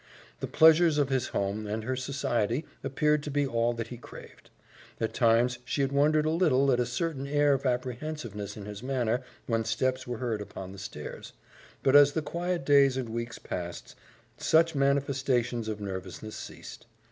The pleasures of his home and her society appeared to be all that he craved. At times she had wondered a little at a certain air of apprehensiveness in his manner when steps were heard upon the stairs, but as the quiet days and weeks passed, such manifestations of nervousness ceased.